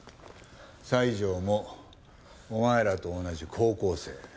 西条もお前らと同じ高校生。